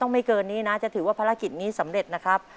ไม่เกินนี้นะจะถือว่าภารกิจนี้สำเร็จนะครับ